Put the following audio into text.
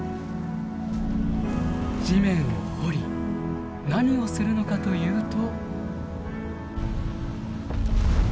地面を掘り何をするのかというと。